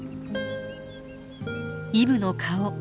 イブの顔。